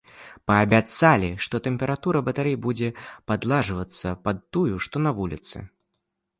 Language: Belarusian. Паабяцалі, што тэмпература батарэй будзе падладжвацца пад тую, што на вуліцы.